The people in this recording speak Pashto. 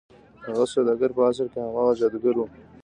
هغه سوداګر په اصل کې هماغه جادوګر و.